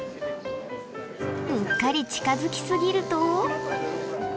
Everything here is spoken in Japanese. うっかり近づき過ぎると。